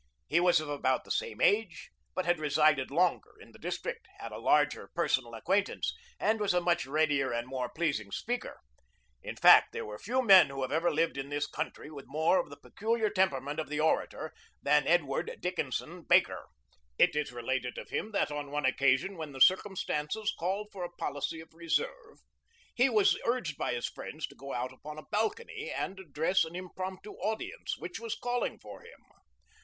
He was of about the same age, but had resided longer in the district, had a larger personal acquaintance, and was a much readier and more pleasing speaker. In fact, there are few men who have ever lived in this country with more of the peculiar temperament of the orator than Edward Dickinson Baker, It is related of him that on one occasion when the circumstances called for a policy of reserve, he was urged by his friends to go out upon a balcony and address an impromptu audience, which was calling for him.